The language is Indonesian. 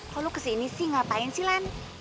kalo kesini sih ngapain sih len